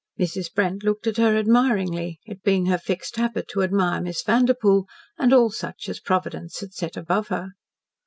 Mrs. Brent looked at her admiringly, it being her fixed habit to admire Miss Vanderpoel, and all such as Providence had set above her.